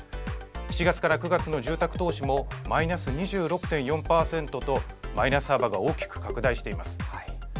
７月から９月の住宅投資もマイナス２６．４％とマイナス幅が大きく拡大しています。